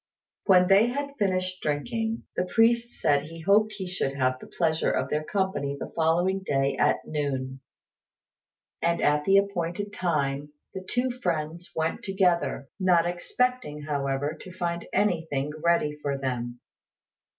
When they had finished drinking, the priest said he hoped he should have the pleasure of their company the following day at noon; and at the appointed time the two friends went together, not expecting, however, to find anything ready for them.